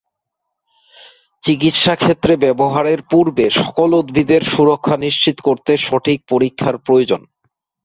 চিকিৎসা ক্ষেত্রে ব্যবহারের পূর্বে সকল উদ্ভিদের সুরক্ষা নিশ্চিত করতে সঠিক পরীক্ষার প্রয়োজন।